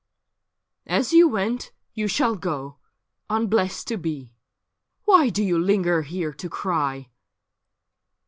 ' As you went, you shall go, unblessed to be. Why do you linger here to cry